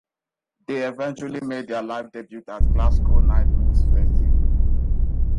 They eventually made their live debut at Glasgow's Nightmoves venue.